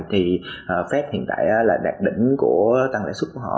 thì fed hiện tại là đạt đỉnh của tăng lãi xuất của họ